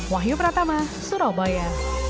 wahyu pratama surabaya